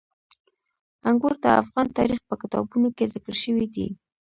انګور د افغان تاریخ په کتابونو کې ذکر شوی دي.